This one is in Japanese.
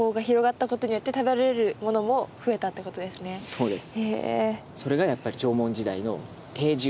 そうです。